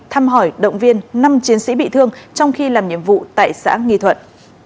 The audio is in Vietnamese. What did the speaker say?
thăm hỏi động viên năm chiến sĩ bị thương trong khi làm nhiệm vụ tại xã nghi thuận